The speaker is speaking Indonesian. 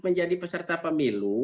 menjadi peserta pemilu